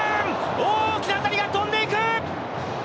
大きな当たりが飛んでいく！